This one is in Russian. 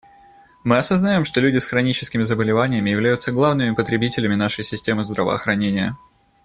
Мы осознаем, что люди с хроническими заболеваниями являются главными потребителями нашей системы здравоохранения.